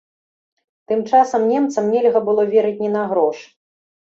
Тым часам немцам нельга было верыць ні на грош.